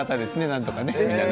なんとか。